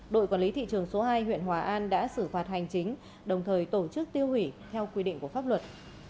đội quản lý thị trường số hai huyện hòa an đã xử phạt hành chính đồng thời tổ chức tiêu hủy theo quy định của pháp luật